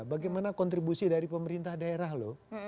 bagaimana kontribusi dari pemerintah daerah loh